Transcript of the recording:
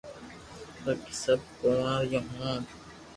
باقي سب ڪوواريو ھو